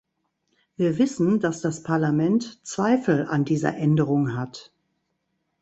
Wir wissen, dass das Parlament Zweifel an dieser Änderung hat.